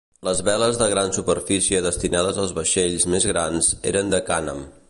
Les veles de gran superfície destinades als vaixells més grans, eren de cànem.